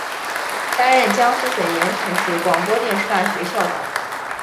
担任江苏省盐城市广播电视大学校长。